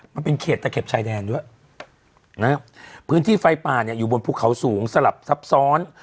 มันเป็นเขตตะเข็บชายแดนด้วยนะพื้นที่ไฟป่าเนี่ยอยู่บนภูเขาสูงสลับซับซ้อน